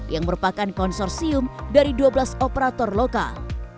yang merupakan konsorsium dari dua belas operator lokal